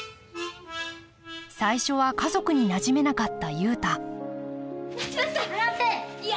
最初は家族になじめなかった雄太待ちなさい！